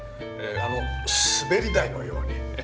滑り台のように。